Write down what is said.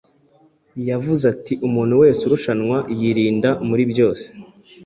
yaravuze ati: “umuntu wese urushanwa yirinda muri byose”